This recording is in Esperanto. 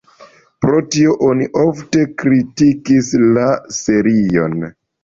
Pro tio oni ofte kritikis la serion.